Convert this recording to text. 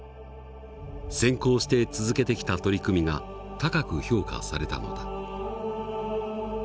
先行して続けてきた取り組みが高く評価されたのだ。